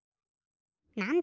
なんだ？